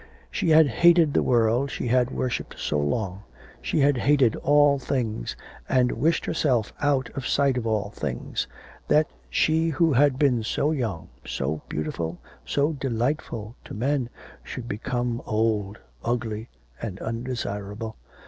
She had hated the world she had worshipped so long. She had hated all things, and wished herself out of sight of all things. That she who had been so young, so beautiful, so delightful to men, should become old, ugly, and undesirable.